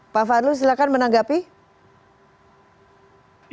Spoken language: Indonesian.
pak fadl silahkan menanggapi